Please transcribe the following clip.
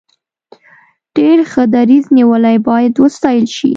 ډیر ښه دریځ نیولی باید وستایل شي.